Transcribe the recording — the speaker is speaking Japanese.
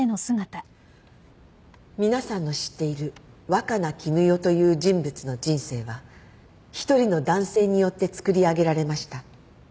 「皆さんの知っている若菜絹代という人物の人生は一人の男性によってつくり上げられました」